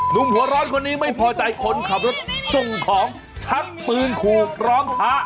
หนุ่มหัวร้อนคนนี้ไม่พอใจคนขับรถส่งของชักปืนขู่พร้อมพระ